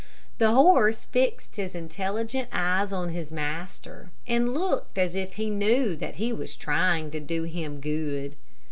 The horse fixed his intelligent eyes on his master and looked as if he knew that he was trying to do him good.